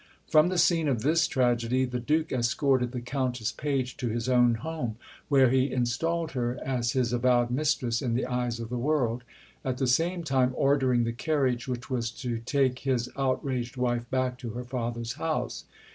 From the scene of this tragedy the Duke escorted the Countess page to his own home, where he installed her as his avowed mistress in the eyes of the world, at the same time ordering the carriage which was to take his outraged wife back to her father's house.